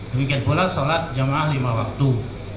demikian pula sholat jamaah lima waktu